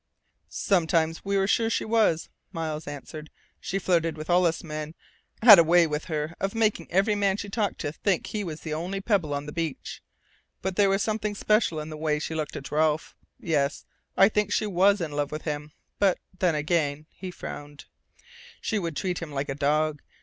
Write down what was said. "Sometimes we were sure she was," Miles answered. "She flirted with all of us men had a way with her of making every man she talked to think he was the only pebble on the beach. But there was something special in the way she looked at Ralph.... Yes, I think she was in love with him! But then again," he frowned, "she would treat him like a dog.